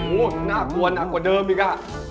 โหหน้ากวนหนักกว่าเดิมอีกอ่ะ